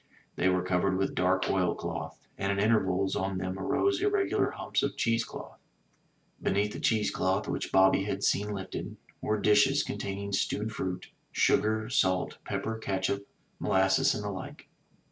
They were covered with dark oil cloth, and at intervals on them arose irregular himips of cheese cloth. Beneath the cheese cloth, which Bobby had seen lifted, were dishes containing stewed fruit, sugar, salt, pepper, catsup, molasses and the like.